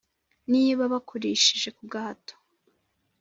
Niba bakurishije ku gahato,